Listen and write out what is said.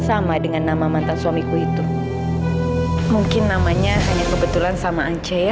sama dengan nama mantan suamiku itu mungkin namanya hanya kebetulan sama ance ya